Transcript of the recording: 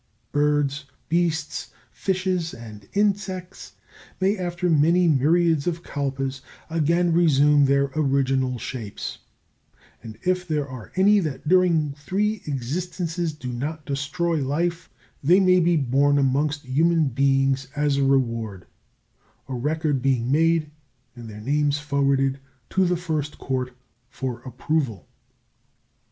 Birds, beasts, fishes and insects, may after many myriads of kalpas again resume their original shapes; and if there are any that during three existences do not destroy life, they may be born amongst human beings as a reward, a record being made and their names forwarded to the First Court for approval.